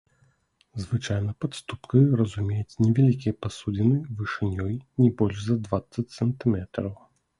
Звычайна пад ступкай разумеюць невялікія пасудзіны вышынёй не больш за дваццаць сантыметраў.